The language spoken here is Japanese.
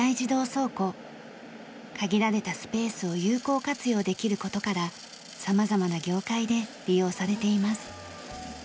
限られたスペースを有効活用できる事から様々な業界で利用されています。